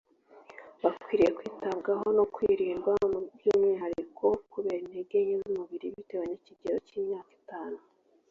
bakwiriye kwitabwaho no kurindwa by umwihariko kubera intege nke z umubiri bitewe n ikigero cy imyaka itanu